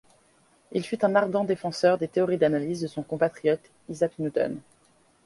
Il fut un ardent défenseur des théories d'analyse de son compatriote Isaac Newton.